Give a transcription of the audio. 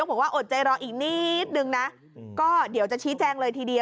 คนรวยคือรวยยังไง